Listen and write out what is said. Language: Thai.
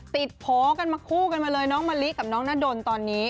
โผล่กันมาคู่กันมาเลยน้องมะลิกับน้องนาดนตอนนี้